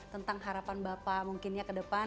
tentang harapan bapak mungkinnya ke depan